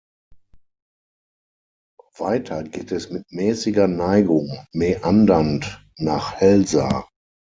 Weiter geht es mit mäßiger Neigung mäandernd nach Helsa.